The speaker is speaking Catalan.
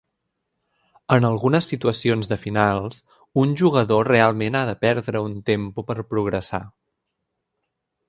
En algunes situacions de finals, un jugador realment ha de "perdre" un tempo per progressar.